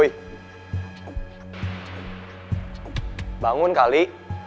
woi bangun kali